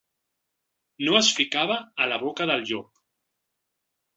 No es ficava a la boca del llop.